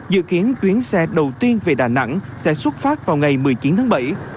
dự kiến chuyến xe đầu tiên về đà nẵng sẽ xuất phát vào ngày một mươi chín tháng bảy